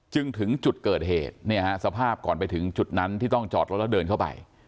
ถึงจุดเกิดเหตุเนี่ยฮะสภาพก่อนไปถึงจุดนั้นที่ต้องจอดรถแล้วเดินเข้าไป